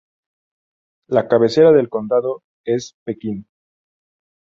La cabecera del condado es Pekin.